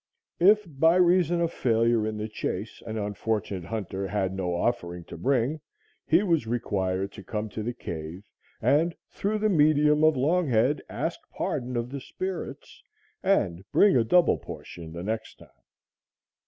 If by reason of failure in the chase, an unfortunate hunter had no offering to bring, he was required to come to the cave and, through the medium of Longhead, ask pardon of the spirits, and bring a double portion the next time.